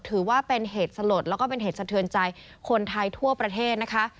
ถือว่าเป็นเหตุสลดแล้วก็เป็นเหตุสะเทือนใจคนไทยทั่วประเทศนะคะ